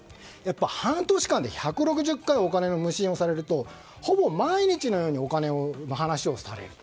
半年間で１６０回お金の無心をされるとほぼ毎日のようにお金の話をされる。